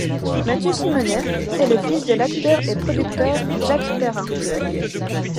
Mathieu Simonet est le fils de l'acteur et producteur Jacques Perrin.